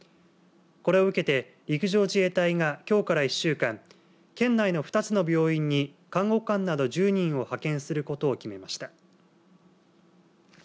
これを受けて陸上自衛隊がきょうから１週間県内の２つの病院に看護官など１０人を派遣することを決めました。